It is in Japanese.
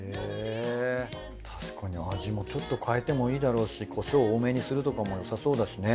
確かに味もちょっと変えてもいいだろうしこしょう多めにするとかもよさそうだしね。